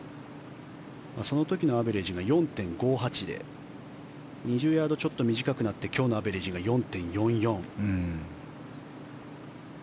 その時のアベレージが４．５８で２０ヤードちょっと短くなって今日のアベレージが４．４４。